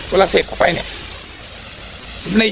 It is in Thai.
เวลาเสียบเข้าไปเนี่ย